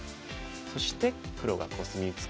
そして黒がコスミツケて。